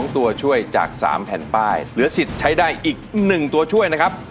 ตัวช่วยจาก๓แผ่นป้ายเหลือสิทธิ์ใช้ได้อีก๑ตัวช่วยนะครับ